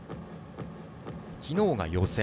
昨日が予選。